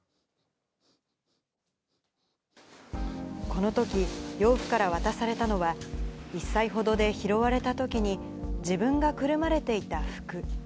この時、養父から渡されたのは、１歳ほどで拾われたときに、自分がくるまれていた服。